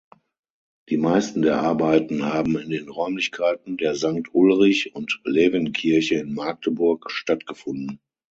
Die meisten der Arbeiten haben in den Räumlichkeiten der Sankt-Ulrich-und-Levin-Kirche in Magdeburg stattgefunden.